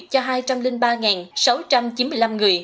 cho hai trăm linh ba sáu trăm chín mươi năm người